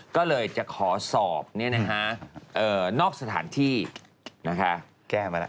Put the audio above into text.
ก็เลยจะขอสอบนอกสถานที่แก้มาแล้ว